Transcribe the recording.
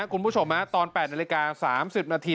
คุณผู้ชมตอน๘นาฬิกา๓๐นาที